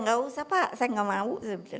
nggak usah pak saya gak mau